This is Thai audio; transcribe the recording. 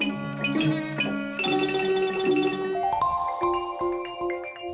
ยอมประโยชน์